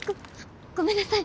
ごめんなさい。